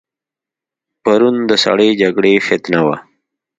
پرون د سړې جګړې فتنه وه.